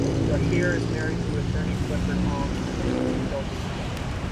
Brashear is married to attorney Clifford Ong and they have two children together.